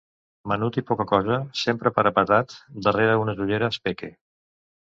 Menut i poca-cosa, sempre parapetat darrere d'unes ulleres Peque.